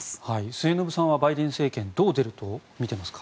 末延さんはバイデン政権どう出ると見ていますか？